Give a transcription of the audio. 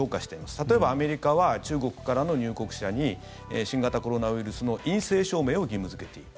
例えばアメリカは中国からの入国者に新型コロナウイルスの陰性証明を義務付けている。